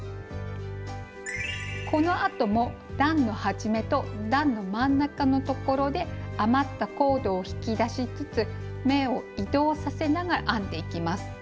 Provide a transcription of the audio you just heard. このあとも段の始めと段の真ん中のところで余ったコードを引き出しつつ目を移動させながら編んでいきます。